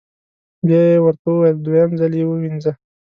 بیا یې ورته وویل: دویم ځل یې ووینځه.